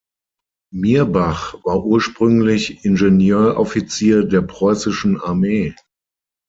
Mirbach war ursprünglich Ingenieuroffizier der preußischen Armee.